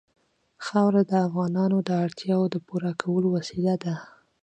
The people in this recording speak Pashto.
خاوره د افغانانو د اړتیاوو د پوره کولو وسیله ده.